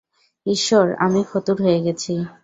ঈশ্বর, আমি ফতুর হয়ে গেছি।